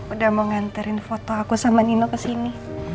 udah mau nganterin foto aku sama nino ke sini